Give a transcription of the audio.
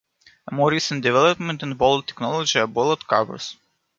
A more recent development in bollard technology are bollard covers.